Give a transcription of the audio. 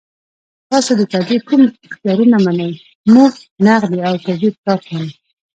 تاسو د تادیې کوم اختیارونه منئ؟ موږ نغدي او کریډیټ کارت منو.